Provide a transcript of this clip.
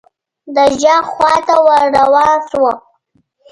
د ږغ خواته ور روان شوم .